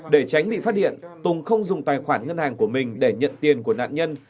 để tránh bị phát hiện tùng không dùng tài khoản ngân hàng của mình để nhận tiền của nạn nhân